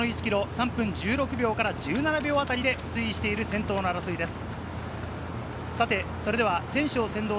先ほどの１ｋｍ、３分１６秒から１７秒あたりで推移している先頭の争いです。